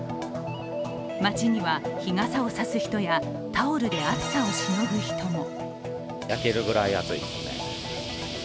街には日傘を差す人やタオルで暑さをしのぐ人も。